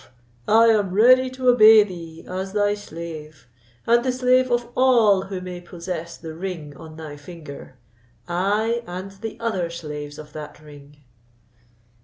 I am ready to obey thee as thy slave, and the slave of all who may possess the ring on thy finger; I, and the other slaves of that ring."